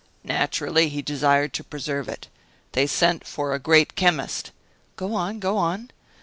Naturally, he desired to preserve it. They sent for a great chemist " "Go on, go on."